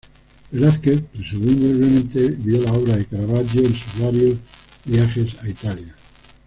Velázquez presumiblemente vio la obra de Caravaggio en sus varios viajes a Italia.